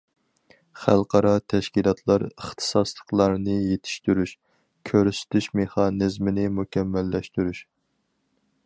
خەلقئارا تەشكىلاتلار ئىختىساسلىقلارنى يېتىشتۈرۈش، كۆرسىتىش مېخانىزمىنى مۇكەممەللەشتۈرۈش.